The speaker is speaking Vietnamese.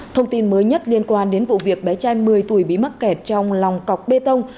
thông tin mới nhất liên quan đến vụ việc bé trai một mươi tuổi bị mắc kẹt trong lòng cọc bê tông